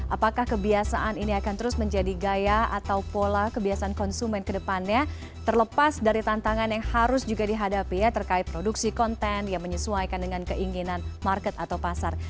apakah kebiasaan ini akan terus menjadi gaya atau pola kebiasaan konsumen kedepannya terlepas dari tantangan yang harus juga dihadapi ya terkait produksi konten yang menyesuaikan dengan keinginan market atau pasar